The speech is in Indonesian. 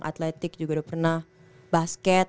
atletik juga udah pernah basket